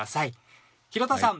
広田さん